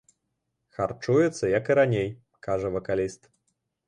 Харчуецца як і раней, кажа вакаліст.